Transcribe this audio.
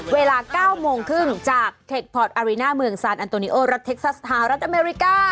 เวลา๙โมงครึ่งจากเทคพอร์ตอาริน่าเมืองซานอันโตนิโอรัฐเท็กซัสสหรัฐอเมริกา